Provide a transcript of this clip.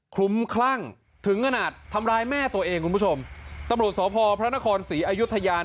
ลุ้มคลั่งถึงขนาดทำร้ายแม่ตัวเองคุณผู้ชมตำรวจสพพระนครศรีอายุทยา